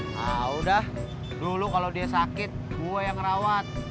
nah udah dulu kalau dia sakit gue yang rawat